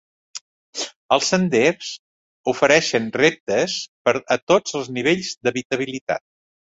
Els senders ofereixen reptes per a tots els nivells d'habilitat.